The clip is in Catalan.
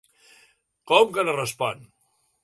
Com que no respon?